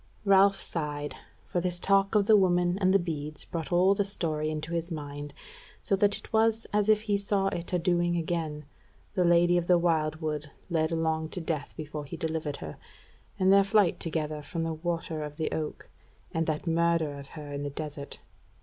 Ralph sighed, for this talk of the woman and the beads brought all the story into his mind, so that it was as if he saw it adoing again: the Lady of the Wildwood led along to death before he delivered her, and their flight together from the Water of the Oak, and that murder of her in the desert.